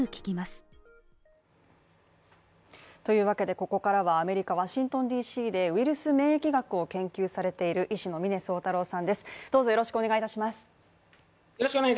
ここからはアメリカワシントンＤ．Ｃ．でウイルス免疫学を研究されている医師の峰宗太郎さんです。